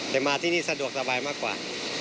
แต่มาที่นี่สะดวกสบายมากกว่า